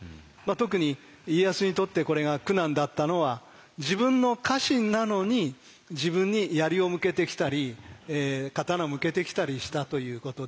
特に家康にとってこれが苦難だったのは自分の家臣なのに自分に槍を向けてきたり刀向けてきたりしたということで。